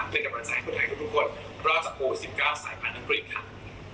เป็นกำลังใจให้คุณไทยทุกคนรอดจากโอ๑๙สายพันธุ์อังกฤษ